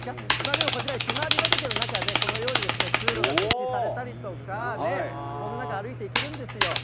でもこちら、ひまわり畑の中ね、このように通路が設置されたりとかね、この中歩いていけるんですよ。